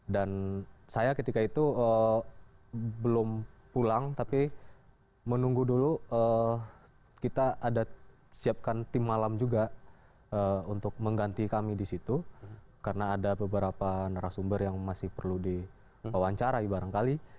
dan saya ketika itu belum pulang tapi menunggu dulu kita ada siapkan tim malam juga untuk mengganti kami di situ karena ada beberapa narasumber yang masih perlu diwawancara ibarangkali